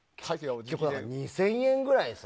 ２０００円くらいさ。